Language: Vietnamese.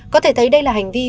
có thể thấy đây là hành vi viễn